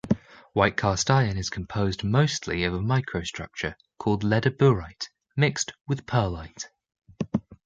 White cast-iron is composed mostly of a microstructure called ledeburite mixed with pearlite.